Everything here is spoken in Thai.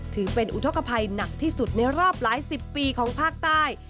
ถือเป็นอุทธกภัยหนักที่สุดในรอบหลายสิบปีของภาคใต้